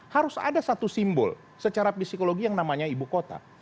harus ada satu simbol secara psikologi yang namanya ibu kota